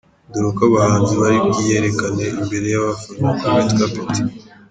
Dore uko abahanzi bari bwiyerekane imbere y’abafana kuri Red Carpet.